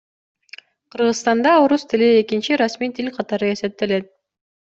Кыргызстанда орус тили экинчи расмий тил катары эсептелет.